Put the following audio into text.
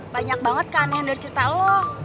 banyak banget keanehan dari cerita lo